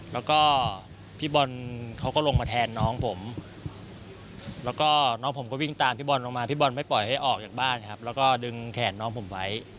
แล้วก็พี่บอลเขาก็ลงมาแทนน้องผมแล้วก็น้องผมก็วิ่งตามพี่บอลลงมาพี่บอลไม่ปล่อยให้ออกจากบ้านครับแล้วก็ดึงแขนน้องผมไว้